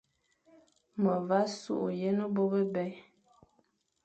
Me vagha sughé yen bô bebè.